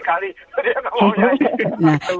walaupun diminta berkali kali